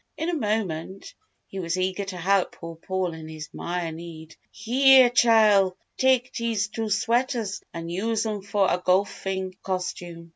In a moment, he was eager to help poor Paul in his "mire" need. "Heah, Chile, tak' dese two sweaters an' use 'em fo' a go'fing costume.